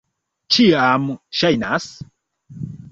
Ĉiam ŝajnas.